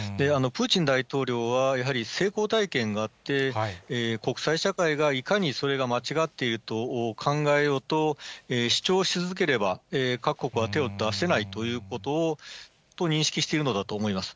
プーチン大統領は、やはり成功体験があって、国際社会がいかにそれが間違っていると考えようと、主張し続ければ、各国は手を出せないということを、認識しているのだと思います。